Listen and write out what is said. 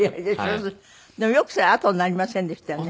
でもよくそれ痕になりませんでしたよね。